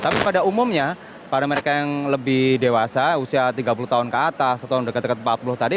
tapi pada umumnya pada mereka yang lebih dewasa usia tiga puluh tahun ke atas atau dekat dekat empat puluh tadi